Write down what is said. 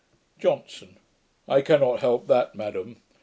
] JOHNSON. 'I cannot help that, madam.